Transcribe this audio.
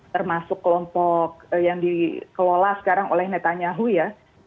termasuk kelompok yang dikelola sekarang oleh netanyahu ya